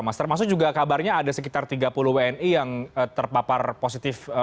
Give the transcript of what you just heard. mas termasuk juga kabarnya ada sekitar tiga puluh wni yang terpapar positif